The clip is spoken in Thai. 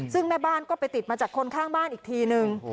ซึ่งแม่บ้านก็ไปติดมาจากคนข้างบ้านอีกทีนึง